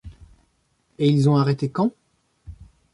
Et ils ont arrêté quand ?